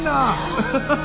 ハハハハ。